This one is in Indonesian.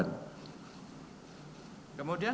untuk mengambil lambung dari korban